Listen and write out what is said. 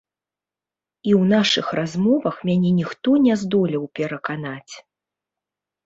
І ў нашых размовах мяне ніхто не здолеў пераканаць.